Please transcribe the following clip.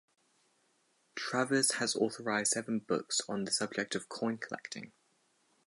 Travers has authored seven books on the subject of coin collecting.